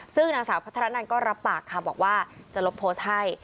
ซึ่งนางสาวพัฒนานันก็รับปากค่ะบอกว่าจะลบโพสต์ให้